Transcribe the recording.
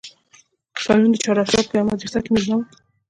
پرون د چهار آسیاب په یوه مدرسه کې مېلمه وم.